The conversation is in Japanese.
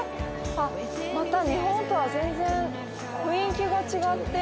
また日本とは全然雰囲気が違って。